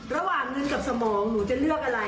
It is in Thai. ระหว่างหนึ่งกับสมองหนูจะเลือกอะไร